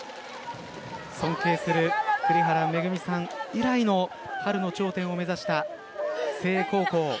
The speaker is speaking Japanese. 尊敬する栗原恵さん以来の春の頂点を目指した誠英高校。